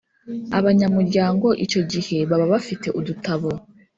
abanyamuryango Icyo gihe baba bafite udutabo